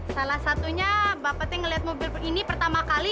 salah satunya bapak tuh ngeliat mobil ini pertama kali